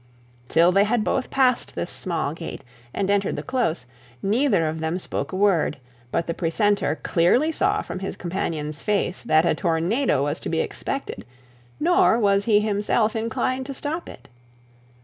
Till they had passed this small gate and entered the close, neither of them spoke a word; but the precentor clearly saw from his companion's face that a tornado was to be expected, nor was he himself inclined to stop it.